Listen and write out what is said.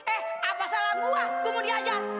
eh apa salah gua gue mau diajar